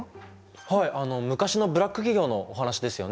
はいあの昔のブラック企業のお話ですよね！